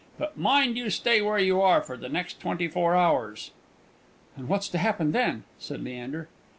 But mind you stay where you are for the next twenty four hours." "And what's to happen then?" said Leander.